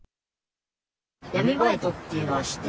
闇バイトっていうのは知って